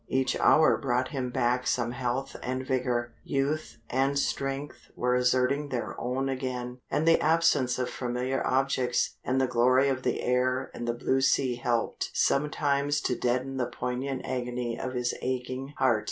Each hour brought him back some health and vigour. Youth and strength were asserting their own again, and the absence of familiar objects, and the glory of the air and the blue sea helped sometimes to deaden the poignant agony of his aching heart.